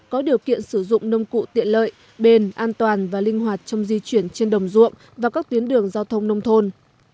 có điều kiện sử dụng nông cụ tiện lợi bền an toàn và linh hoạt trong di chuyển trên đồng ruộng và các tuyến đường giao thông nông thôn